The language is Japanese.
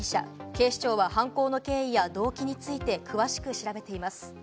警視庁は犯行の経緯や動機について詳しく調べています。